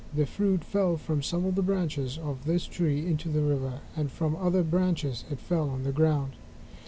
The fruit fell from some of the branches of this tree into the river, and from other branches it fell on the ground.